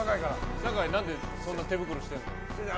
酒井、何でそんな手袋してるの？